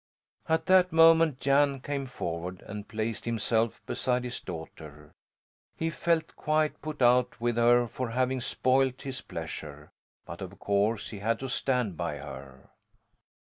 At that moment Jan came forward and placed himself beside his daughter; he felt quite put out with her for having spoiled his pleasure, but of course he had to stand by her.